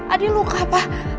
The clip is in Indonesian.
adi luka pak